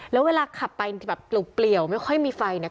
แล้วเวลาขับไปแบบเปลี่ยวไม่ค่อยมีไฟเนี่ย